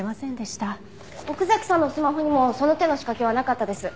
奥崎さんのスマホにもその手の仕掛けはなかったです。